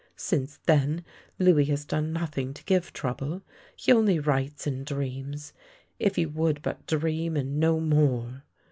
" Since then Louis has done nothing to give trou ble. He only writes and dreams. If he would but dream and no more